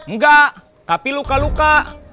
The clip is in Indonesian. nggak tapi luka luka